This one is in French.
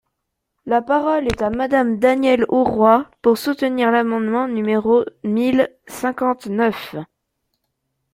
La parole est à Madame Danielle Auroi, pour soutenir l’amendement numéro mille cinquante-neuf.